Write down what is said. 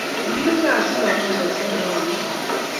igilgei asi mabanennyo lagokuk